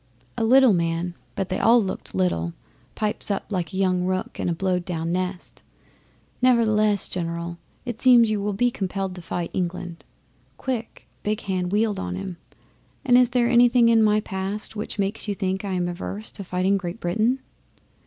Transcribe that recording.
A little man but they all looked little pipes up like a young rook in a blowed down nest, "Nevertheless, General, it seems you will be compelled to fight England." Quick Big Hand wheeled on him, "And is there anything in my past which makes you think I am averse to fighting Great Britain?"